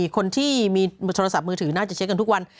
คนที่มีโทรศัพท์มือถือน่าจะเช็คกันทุกวัน